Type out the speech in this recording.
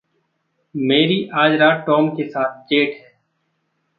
मेरी आज रात टॉम के साथ डेट है।